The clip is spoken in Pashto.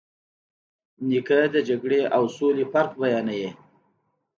نیکه د جګړې او سولې فرق بیانوي.